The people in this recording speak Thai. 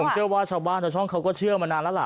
เชื่อว่าชาวบ้านชาวช่องเขาก็เชื่อมานานแล้วล่ะ